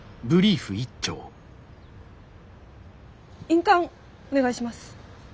印鑑お願いします。